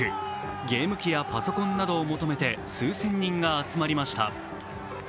ゲーム機やパソコンなどを求めて数千人が集まりました。